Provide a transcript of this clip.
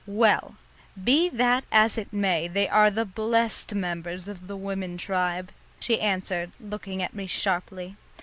"Well, be that as it may, they are the blessed members of the women tribe," she answered, looking at me sharply.